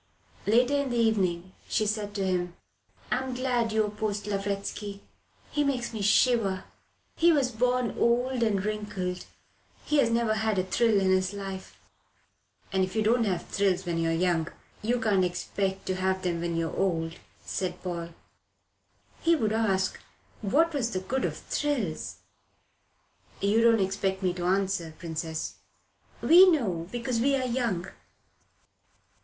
Later in the evening she said to him: "I'm glad you opposed Lavretsky. He makes me shiver. He was born old and wrinkled. He has never had a thrill in his life." "And if you don't have thrills when you're young, you can't expect to have them when you're old," said Paul. "He would ask what was the good of thrills." "You don't expect me to answer, Princess." "We know because we're young."